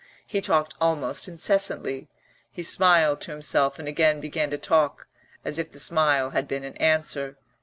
He talked almost incessantly; he smiled to himself and again began to talk, as if the smile had been an answer.